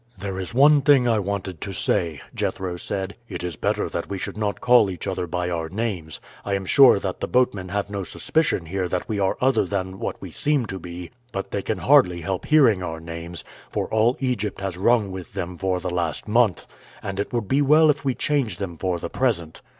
"There is one thing I wanted to say," Jethro said. "It is better that we should not call each other by our names, I am sure that the boatmen have no suspicion here that we are other than what we seem to be; but they can hardly help hearing our names, for all Egypt has rung with them for the last month, and it would be well if we change them for the present.